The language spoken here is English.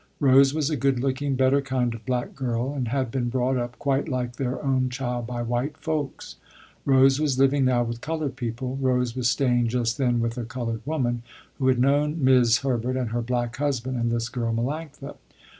Rose was a good looking, better kind of black girl, and had been brought up quite like their own child by white folks. Rose was living now with colored people. Rose was staying just then with a colored woman, who had known 'Mis' Herbert and her black husband and this girl Melanctha.